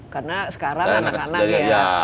karena sekarang anak anak ya